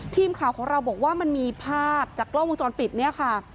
ทีมข่าวของเราบอกว่ามันมีภาพจากกล้องวงจรปิดเนี่ยค่ะ